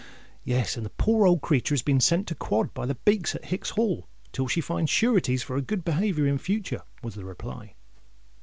"Yes—and the poor old creature has been sent to quod by the beaks at Hicks's Hall, till she finds sureties for her good behaviour in future," was the reply.